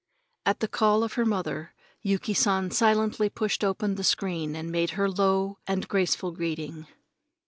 At the call of her mother, Yuki San silently pushed open the screen and made her low and graceful greeting.